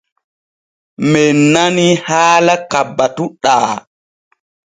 Men nanii haala ka batuɗaa.